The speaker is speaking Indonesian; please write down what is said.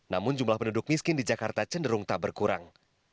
namun jumlah penduduk miskin di jakarta cenderung tak berkurang